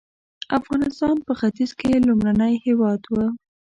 افغانستان په ختیځ کې لومړنی هېواد و.